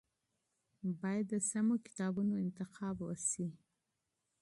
باید د سمو کتابونو انتخاب وشي.